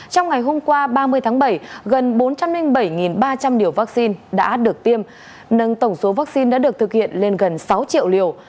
trong ngày hôm qua ba mươi tháng bảy gần bốn trăm linh bảy ba trăm linh liều vaccine đã được tiêm nâng tổng số vaccine đã được thực hiện lên gần sáu triệu liều